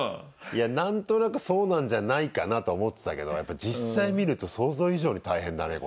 いや何となくそうなんじゃないかなとは思ってたけどやっぱり実際見ると想像以上に大変だね